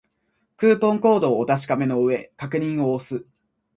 クーポンコードをお確かめの上、確認を押す